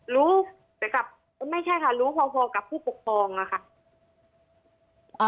รู้แต่กับไม่ใช่ค่ะรู้พอกับผู้ปกครองอะค่ะ